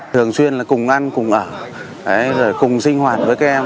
thường xuyên cùng ăn cùng ở rồi cùng sinh hoạt với các em